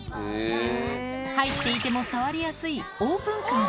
入っていても触りやすいオープンカーに。